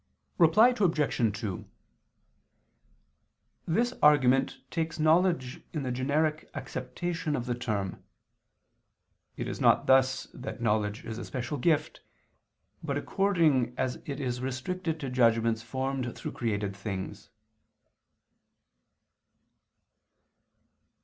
Reply Obj. 2: This argument takes knowledge in the generic acceptation of the term: it is not thus that knowledge is a special gift, but according as it is restricted to judgments formed through created things.